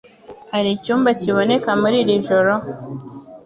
Hari icyumba kiboneka muri iri joro?